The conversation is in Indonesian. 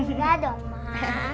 enggak dong mah